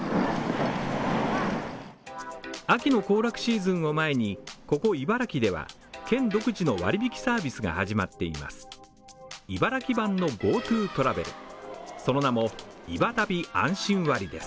秋の行楽シーズンを前に、ここ茨城では、県独自の割引サービスが始まっています。